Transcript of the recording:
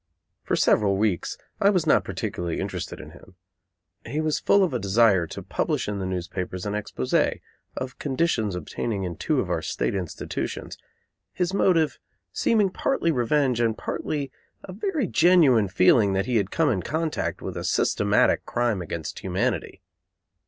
For several weeks I was not particularly interested in him. He was full of a desire to publish in the newspapers an exposé of conditions obtaining in two of our state institutions, his motive seeming partly revenge and partly a very genuine feeling that he had come in contact with a systematic crime against humanity.